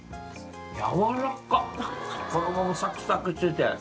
軟らかっ衣もサクサクしてて。